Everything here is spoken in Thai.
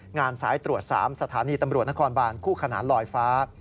สายตรวจ๓สถานีตำรวจนครบานคู่ขนานลอยฟ้า